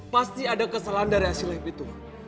pasti ada kesalahan dari hasil lift itu